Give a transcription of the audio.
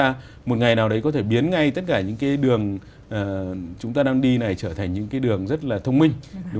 chúng ta một ngày nào đấy có thể biến ngay tất cả những cái đường chúng ta đang đi này trở thành những cái đường rất là thông minh